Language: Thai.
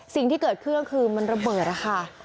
สิ่งที่เกิดขึ้นก็คือมันระเบิดนะคะ